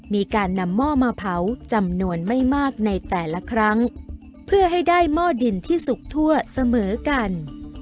มีการนำหม้อมาเผาจำนวนไม่มากในแต่ละครั้งเพื่อให้ได้หม้อดินที่สุกทั่วเสมอกัน